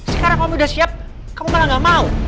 sekarang kamu udah siap kamu malah gak mau